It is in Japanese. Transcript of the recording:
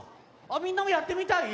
あっみんなもやってみたい？